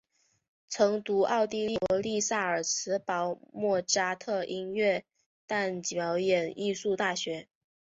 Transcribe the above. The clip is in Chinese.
曾就读奥地利国立萨尔兹堡莫札特音乐暨表演艺术大学。